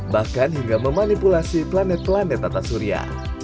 bahkan hingga memanipulasi planet planet tata surya